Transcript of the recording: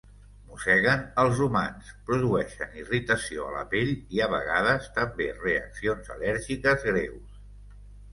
Mosseguen els humans, produeixen irritació a la pell, i a vegades també reaccions al·lèrgiques greus.